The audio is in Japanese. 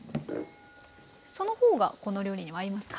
その方がこの料理には合いますか？